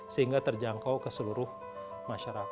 sehingga terjangkau ke seluruh masyarakat